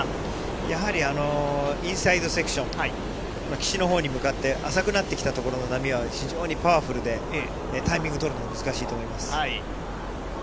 やはりインサイドセクション、岸のほうに向かって浅くなってきたところの波が非常にパワフルで、タイミングを取るのが難しいと思います。